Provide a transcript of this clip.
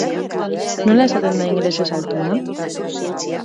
Nola esaten da ingelesez "altua"?